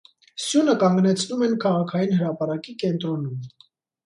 Սյունը կանգնեցնում են քաղաքային հրապարակի կենտրոնում։